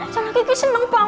sama kekik senang banget mbak bu